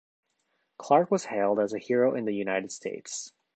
Clark was hailed as a hero in the United States.